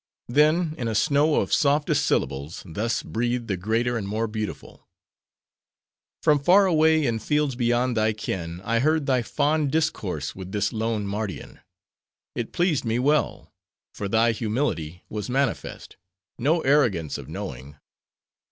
"Then, in a snow of softest syllables, thus breathed the greater and more beautiful:—'From far away, in fields beyond thy ken, I heard thy fond discourse with this lone Mardian. It pleased me well; for thy humility was manifeat; no arrogance of knowing.